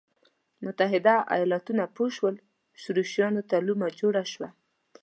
متحده ایالتونه پوه شول شورویانو ته لومه جوړه شوه.